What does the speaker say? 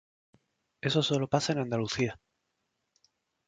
Eso sólo pasa en Andalucía.